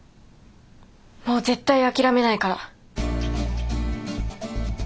もう絶対諦めないから。